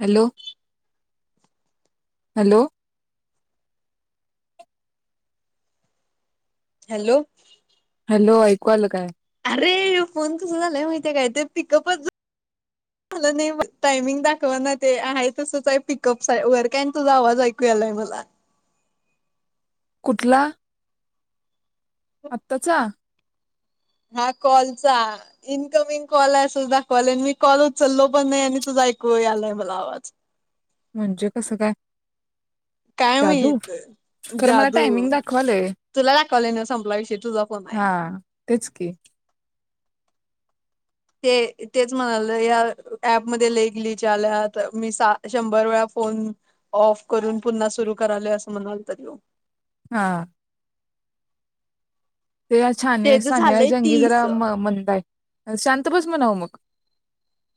Hello hello hello hello ऐकू आल का? ये ह्यो फोन कस झालाय माहितीय काय ते पिकअपच झालं नाही म टायमिंग दाखव ना ते आहे तसच आहे पिकअप वर काय तुझा आवाज ऐकू यालाय मला. कुठला? आताचा? हा कॉलचा इनकमिंग कॉल आहे असच दाखवालय मी कॉल उचललो पण नाही आणि तुझा ऐकू यालाय मला आवाज. म्हणजे कसं काय? काय जादू माहित खरं मला जादू टायमिंग दाखवालय तुला दाखवालय नव संपला विषयी तुझा फोन आहे. हा तेच की ते तेच म्हणाल या ऍप मध्ये लेख लिच्य आल्यात मी शंभर वेळा फोन ऑफ करून पुन्हा सुरू करालोय असं म्हणालता तो. हां. ते छान तेज सानिया झालंय जंगी तीस जरा मंद आहे, शांतबस म्हणावं मग.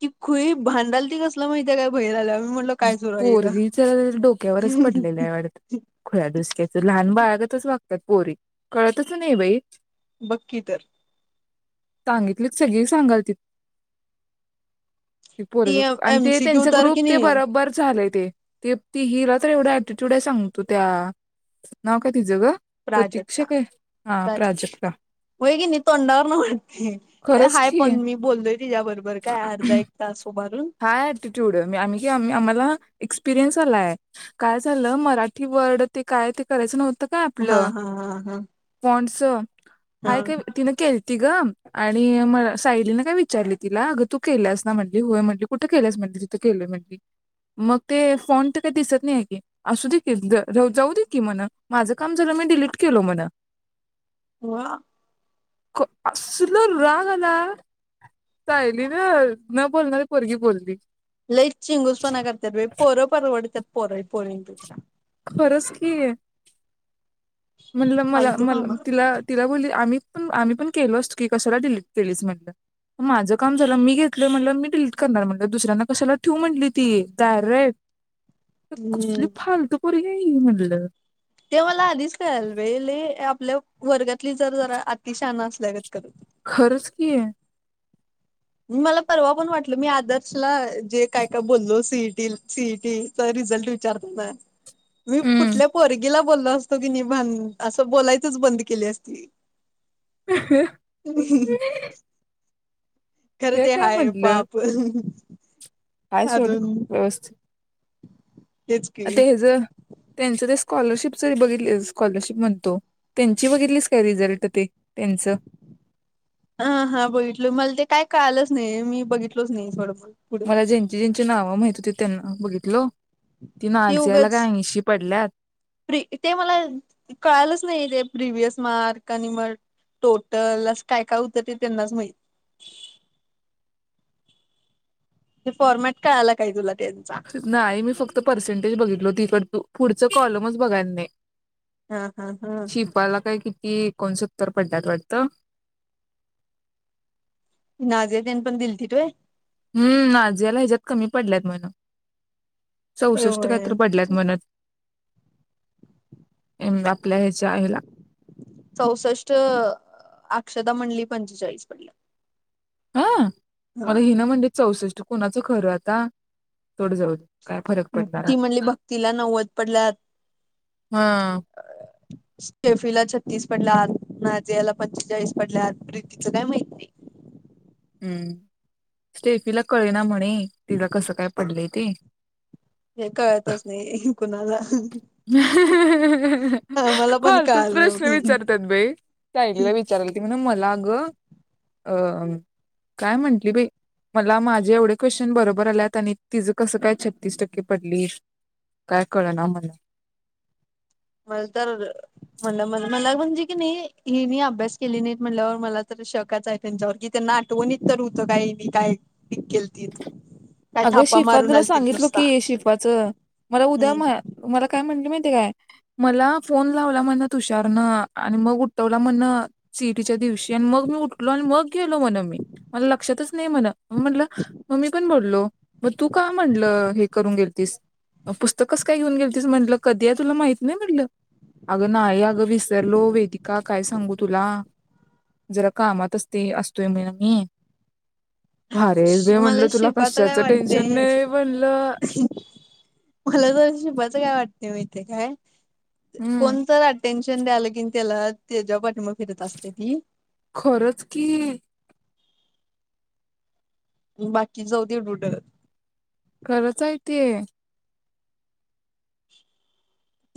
ती खुळी भांडालती कसलं माहितीे काय बाहेर आल्याव. पोरगीच डोक्यावरच पडलेलं आहे वाटतं, खुळ्या डूसक्याच लहान. बाळागतच वागतात पोरी, कळतच नाही बाई. बक्की तर. सांगितलीत सगळी सांगालतीत. ते ती पोरग आणि ते एमसीक्यू त्यांच तर ग्रुप. कि ते नाही बरोबर झालेय ते ते ती ही र त. एवढा एटीट्यूड आहे सांगतो त्या, नाव काय तिझं ग? प्रतीक्षा प्राजक्ता, काय हा प्राजक्ता प्रजक्ता की नाही तोंडावर न वाटते खरंच हाय की पण मी बोलतोय तिच्या्या बरोबर काय अर्धा एक तास सोबत. हा ऍटिट्यूड आम्ही की आम्हाला. एसपिरियन्स आलाय काय झालं मराठी वर्ड ते काय ते करायचं नव्हत. का आपल. हा हा हा हा स. हा [unintelligible] ती गं आणि म सायलीने काय विचारली तिला अगं तू केलंस ना म्हणली होय म्हण. कुठ केलं म्हण तिथ केलं म्हण मग ते फॉन तर काही दिसत नाही की असू देील जाऊ दे की म्हण माझ काम जलं मी डिलीट केल म्हण. [unintelligible] असल रग आला. यली ना न बोलणारी पोरगी बोलली. ल ई चिंगुस पना करतेर पोरं परवडतयात. पोरं पोरीन पेक्षा. खरच कि. म्हणलं मला फालतू काम म तिला तिला बोलली आम्ही. पण आम्ही पण केलो असतो की कशाला डिलीट केलीच म्हणलं माझं काम झालं मी घेतलं म्हटलं मी डिलीट करणार म्हणलं दुसऱ्यांना कशाला ठेव म्हटली ती डायरेक्ट. कसली हम्म फालतू पोरी. ते म्हणललं. ते मला आधीच का अल्वेले आपल्या वर्गातली जर जरा अतिशान असल्या ग करत. खर्च कि आहे. म मला परवा पण वाटल मी आदर्शला जे काय काय बोललो सीईटी सीईटीचा रिझल्ट विचारत. मी कुठल्या पोरगीला. बोलल असतो कि नि भ असं बोलायचच बंद केली असती हम् खरं हे ते हाय पाप आयसोड व्यवस्थित तेच की ते ज त्यांचं ते स्कॉलरशिप जरी बघित स्कॉलरशिप म्हणतो त्यांची बघितलीच काय रिझल्ट ते त्यांच हा हा बघितल मला ते काय कळालंच नाही मी बघितलच नाही थोडं पुढे मला ज्यांची ज्यांंची नाव हो माहित ते त्यांना बघितलं ती नाजी आला काय अशी पडल्यात प्र ते मला कळालच नाही ते प्रिव्हयस मार्क आणि मग टोटल अस काय काय होतं ते त्यांनाच माहि ते फॉर्मॅट कळाला काय तुला त्यांचा नाही मी फक्त पर्सेंटेज बघितल हो त इकड तू पुढचं कॉलमच बघाय येत नाही हा हा हा शिफा ला काय किती एकोणसत्तर पडल्यात वाटत नाझीया न पण दिल ती होय हम्म ना जरा ह्याच्यात कमी पडल्यात म्हन चौसष्ट होय काहीतरी पडल्यात म्हनं ए दाप- चौसष्ट अ आ - अक्षता म्हणाली पंचेचाळीस पडलेत. हं अ मला हिनं म्हणले चौसष्ट कुणाचं खरं आता! सोड जाऊदे काय फरक पडणार ती म्हणली अता भक्तीला नव्वद पडल्यात हा स्टेफि ला छत्तीस पडल्यात, नाजियाला ला पंचेचाळीस पडल्यात प्रीतीचं काय माहिती नाही. हम्म स्टेफीला कळेना म्हन नाही तिला कसं काय पडले? ते हे कळतच नाही कुणाला हं हं आम्हाला पण फालतुच कळालं प्रश्न नव्हतं. विचारतात बाई चांगल विचाराल की मर- आग अ काय म्हंटली बाई मला माझे एवढे क्वेश्चन बरोबर आलेत आणि तिचं कसं काय छत्तीस टक्के पडली काय कळ ना म्हणली म तर म्हणलं, मला म्हणजे की नाही ह मी अभ्यास केले नाही म्हटल्यावर मला तर शकाच आहे त्यांच्यावर कि त्यांना आठवणीत तर होतं काही मी काय पिक केली? अगं शिफा तुला सांगितलो की शिफा चं मला उद्या हम्म. म्हणल मला काय म्हणाली माहिती ते काय, मला फोन लावला म्हणं तुषारनं आणि मग उठवला म्हणं, सी ई टीच्या दिवशी. आणि मग मी उठलो आणि मग गेलो म्हणं मी. मला लक्षातच नाही म्हणं. मी म्हटलं, मग मीपण बोललो. मग तू का म्हटलं हे करून गेलतीस, पुस्तक कसं काय घेऊन गेलतीस म्हंटल. कधी आहे तुला माहित नाही म्हटलं. अगं नाही, अगं विसरलो वेदिका काय सांगू तुला? जरा कामातच असते, असतोय म्हणं मी. भारी हायस श- बाई म्हटलं, मला तुला शिपाचं कशा काय वाटतय, मला तर शिल्पाचं काय वाट हे माहीत हाय काय? हम्म कोणतं ग अटेन्श तेन द्यायला कीन त्याला. त्याच्या पाट खरंच की. बाकी जाऊदे उड खरंच आहे ते.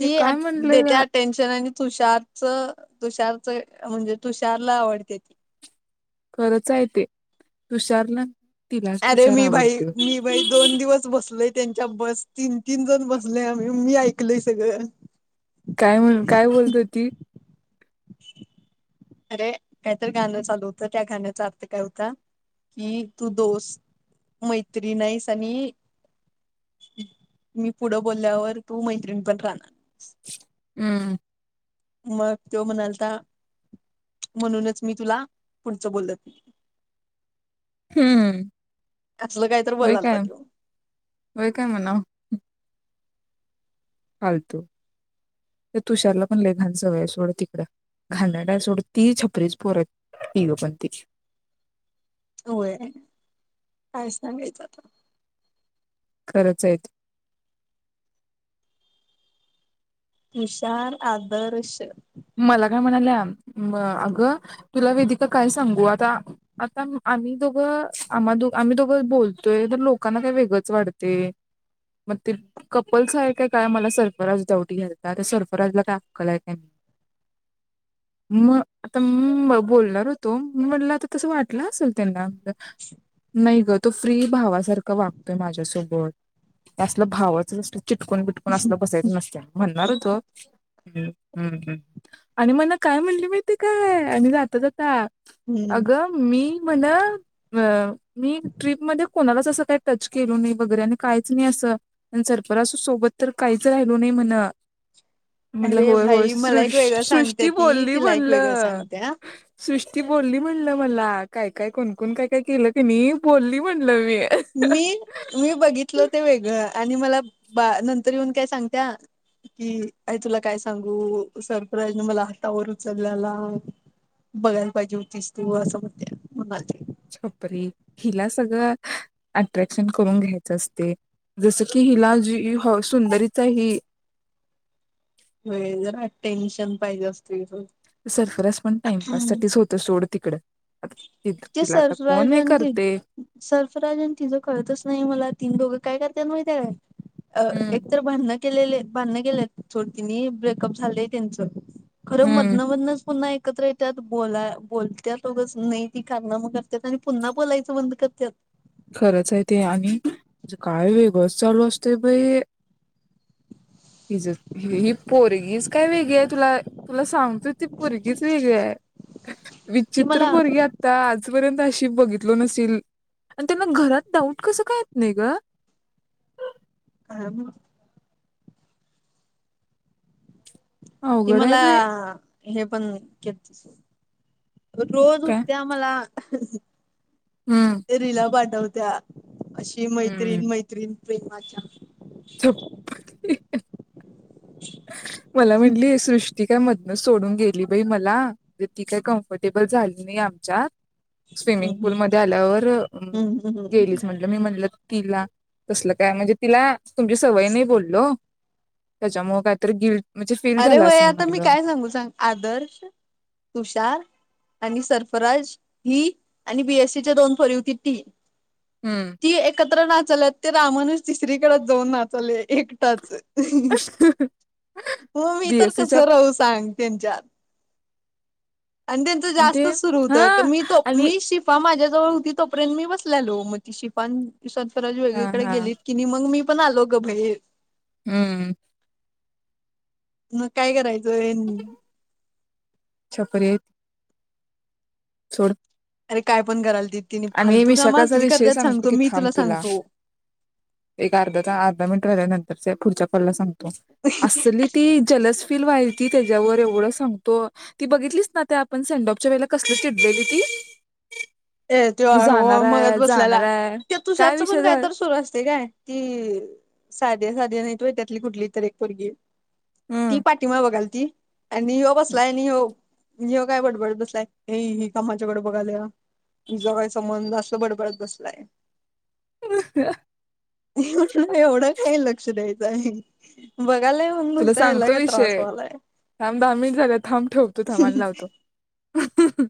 हे काय आणि म्हणलंय देत्या टेन्शन आणि तुषारचं तुषारचं म्हणजे तुषारला आवडत्या ती. खरंच आहे ते. तुषारनं अरे मी भाई मी भाई दोन दिवस बसलोय. त्यांच्या बस तीन तीन जण बसलेम मी ऐक - - कलय सगळं. काय म्हणून, काय बोलत होती? अरे काय तरी गाणं चालू होतं. त्या गाण्याचा अर्थ काय होता, की तू दोस्त, मैत्रीण हाईस आणि मी पुढं बोलल्यावर तू मैत्रीणपण राहणार. अं. मग त्यो म्हणालता, म्हणूनच मी तुला पुढचं बोलत नाही. हम्म. असलं काय तर होय बोलालता काय, तो. होय काय म्हणावं. फालतू. त्या तुषारलापण लय घाण सवय हाय सोड. घानेरडा हाय सोड तिकडं. घाणेरडा हाय सोड, ती छपरीची पोरं हायत. तिघंपण ती. होय. काय सांगायचं आता? खरंच हायत. विशाल, आदर्श मला काय म्हणाल्या, अगं तुला वेदिका काय सांगू आता? आता आम्ही दोघं आम्हा दो आम्ही दोघं बोलतोय, तर लोकांना काय वेगळंच वाटतंय. मग ते कपल्स आहे का काय मला सर्फराज डाऊट घ्यालता. अरे सर्फराजला काय अक्कल हाय काय? नाही. म आता म बोलणार होतो, मी म्हटलं आता तसं वाटलं असेल त्यांना. नाहीगं तो फ्री भावासारखं वागतोय माझ्यासोबत. हे असलं भावाचच असलं चिटकून बिटकून असलं बसायचं नसत्या, म्हणणार हुतो हम्म हम्म हम्म. आणि म्हणं काय म्हणली माहिती काय? आणि जाता जाता. हम्म. अगं मी म्हणं अ मी ट्रिपमध्ये कोणालाच असं काही टच केल नाही वगैरे आणि काहीच नाही असं सर पर अस सोबत तर काहीच राहिलो नाही म्हण. म्हणलो अरे होय होय. भाई मला सृ एक वेगळं सांगते सृष्टी ती बोलली तिला एक म्हणल वेगळं सांगत्या. सृष्ट ती बोलली म्हणलं मला काय काय कोणकोण काय काय केलं कनी बोलली म्हणलं मी. मी मी बघितल ते वेगळं. आणि मला बा नंतर येऊन काय सांगत्या की अ तुला काय सांगू सरप्राईजने मला हातावर उचललेला बघायला पाहिजे होतीस तू असं म त्या म्हणाले. छपरी हिला सगळं अट्रॅक्शन करून घ्यायचं असते जसं की हिला जी सुंदरीचा हाय ही. होय जरा टेन्शन पाहिजे असतय रोज. सरकस पण टाइमपास साठीच होत सोड. तिकडें. ते सर्फराजन ते करते सर्फराजन तिचं कळतच नाही मला तीन दोघ काय करत्यात माहिती आहे काय? अ हम्म एकतर भांडण केलेले बांधण गेले चोडतीने ब्रेकअप झालेय त्यांचं खरं हम्म मधनंमधनच पुन्हा एक एकत्र येत बो बोलतो नाही ती कारनामं करत आणि पुन्हा बोलायचं बंद करतात खरंच आहे ते आणि काय वेगच चालू असते ब हि ही पोरगीज काय वेगळी तुला तुला सांगतोय ती पोरगीज वेगळी आहे ती विचित्र मला पोरगी आता आज अ ब त्यांना घात डाऊट कस का नाही ग का अवघड आहे तम्हाला बाई हे पण घ रोज काय उठते आम्हाला हम हम्म ह रिला पाटवर त्या अशी मैत्रीण मैत्रीण प्रेमाच्या प मला म्हटलीय सृष्टिका म न सोडून गेली बाई मला तर ती काही कम्फर्टेबल झाली नाही आमच्यात हम्म स्विमिंग हम्म पूलमध्ये आल्यावर हम्म हम्म हम्म. गेलीच म्हटलं मी म्हणलं तिला तसलं काय म्हणजे तिला तुमची सवयी नाही बोललो त्याच्यामुं काय तर गि अरे होय आता मी काय सांगू सांग आदर्श तुषार आणि सर्फराज ही आणि बीएससीच्या दोन फरी होुती टी हम्म. ती एकत्रनाथ लत ते रामानुस तिसरीकडेच जाऊन नाचाले एकटाच मी तर बीएससीच्या कसं राू सांग. तन चार. आणि त्यांचं ते जास्त सुरू हा होत मी तो आणि मी शिफा माझ्या जवळ होती तोपर्यंत मी बसलेलो मग ति शिपान सर्फराज हा वेगळीकडे हा गेलीत की नाही मग मी. पण आलो ग बाहेर. हम्म. मग काय करायचं? छपरी हाईत. सोड. अरे काय पण कराल ती तिने आणि फालतू कामं विशाखाचा असली विषय करत्यात सांगतो की मी थांब तुला सांगतो. एक अर्धा अर्धा मिनिट झाहिल्यानंतर पुढच्या पल्लासां [unintelligible] असली ती जलस फील व्हायची ती त्याच्यावर एवढं सांगतो ती बघितलीस ना त्या आपण सेंडऑफ वेळी कसली चिडलेली ती. ए ते मी जाणार मगच आहे जाणार बसल्याला आहे त्या काय तुषारचं विषय पण कायत झाला सुर असते काय कि साध्या साध्या नाही त्यातली कुठली तर एक पोरगी ती हम्म पाठीमाग बघाल क [unintelligible] आनि यो बसलाय यो ह्यो काय बडबडत बसलाय ए ह कामाच्याकडे बघाल तुझा काय संबंध अस बडबडत बसलाय. एवढ एवढा काय लक्ष द्या आहे ब [unintelligible] तुला सांगतो विषय थांब दहा मिनट झाले थांब ठेकतो थांबा आणि लावतो.